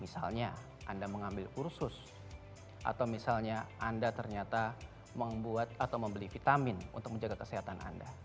misalnya anda mengambil kursus atau misalnya anda ternyata membuat atau membeli vitamin untuk menjaga kesehatan anda